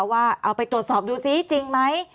ว่าเอาไปตรวจสอบดูซิจริงไหม